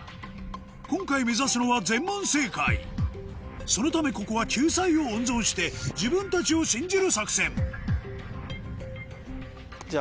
今回目指すのは全問正解そのためここは救済を温存して自分たちを信じる作戦じゃあ。